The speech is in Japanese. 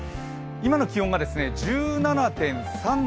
今の気温が１７．３度。